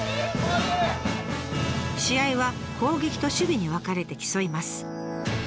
試合は攻撃と守備に分かれて競います。